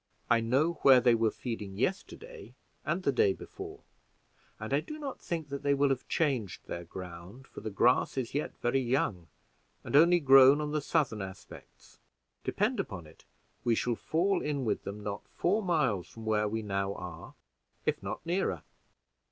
"I know where they were feeding yesterday and the day before, and I do not think that they will have changed their ground, for the grass is yet very young and only grown on the southern aspects. Depend upon it we shall fall in with them not four miles from where we now are, if not nearer."